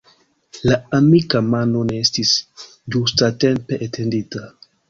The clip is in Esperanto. La amika mano ne estis ĝustatempe etendita.